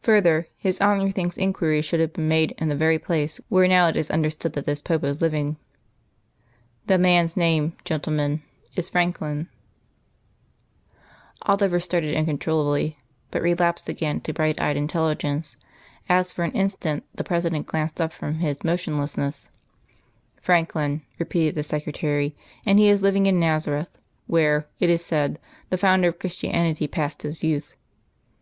Further, His Honour thinks inquiries should have been made in the very place where now it is understood that this Pope is living. "The man's name, gentlemen, is Franklin " Oliver started uncontrollably, but relapsed again to bright eyed intelligence as for an instant the President glanced up from his motionlessness. "Franklin," repeated the secretary, "and he is living in Nazareth, where, it is said, the Founder of Christianity passed His youth.